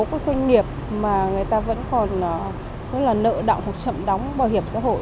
doanh nghiệp mà người ta vẫn còn nợ đọng hoặc chậm đóng bảo hiểm xã hội